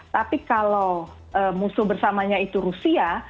tapi kalau musuh bersamanya itu rusia